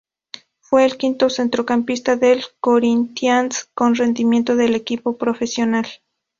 Fue el quinto centrocampista del Corinthians con rendimiento del equipo profesional.